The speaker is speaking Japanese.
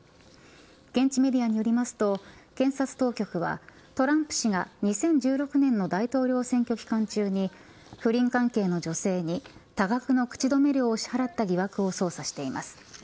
現地メディアによりますと検察当局はトランプ氏が２０１６年の大統領選挙期間中に不倫関係の女性に多額の口止め料を支払った疑惑を捜査しています。